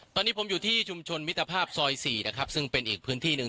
ตอนนี้ผมอยู่ที่ชุมชนมิตรภาพซอย๔นะครับซึ่งเป็นอีกพื้นที่หนึ่ง